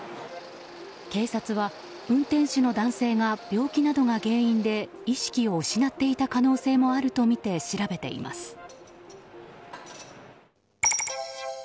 警察は運転手の男性が病気などが原因で意識を失っていた可能性もあるとみて調べています。